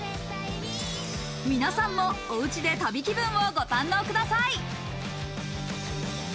皆さんも、おうちで旅気分をご堪能ください。